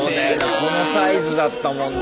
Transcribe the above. このサイズだったもんな。